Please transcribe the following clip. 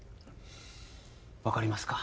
分かりますか？